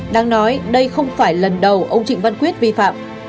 đang nói đây không phải lần đầu ông trịnh văn quyết vi phạm